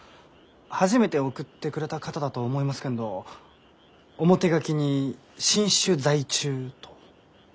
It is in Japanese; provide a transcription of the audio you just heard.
初めて送ってくれた方だと思いますけんど表書きに「新種在中」と。